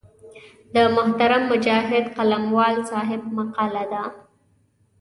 د محترم مجاهد قلموال صاحب مقاله ده.